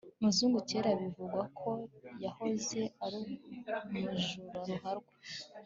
muzungu kera bivugwa ko yahoze ari umujura ruharwa